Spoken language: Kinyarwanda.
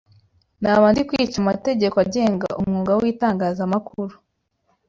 naba ndi kwica amategeko agenga umwuga w’itangazamakuru